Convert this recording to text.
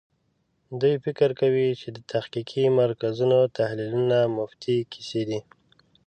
دوی فکر کوي چې د تحقیقي مرکزونو تحلیلونه مفتې کیسې دي.